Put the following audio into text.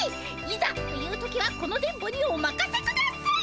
いざという時はこの電ボにおまかせください！